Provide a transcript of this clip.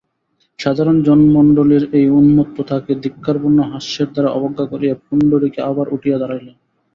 সাধারণ জনমণ্ডলীর এই উন্মত্ততাকে ধিক্কারপূর্ণ হাস্যের দ্বারা অবজ্ঞা করিয়া পুণ্ডরীক আবার উঠিয়া দাঁড়াইলেন।